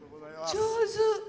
上手！